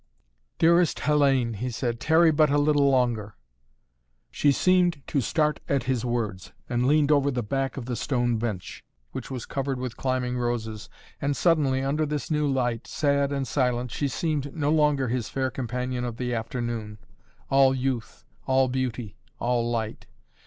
"Dearest Hellayne," he said, "tarry but a little longer " She seemed to start at his words, and leaned over the back of the stone bench, which was covered with climbing roses. And suddenly under this new light, sad and silent, she seemed no longer his fair companion of the afternoon, all youth, all beauty, all light.